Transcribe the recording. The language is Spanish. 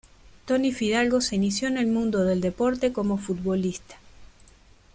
Toni Fidalgo se inició en el mundo del deporte como futbolista.